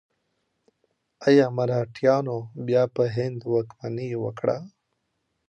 ایا مرهټیانو بیا په هند واکمني وکړه؟